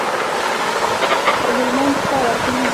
د هلمند څخه ورغلي وو.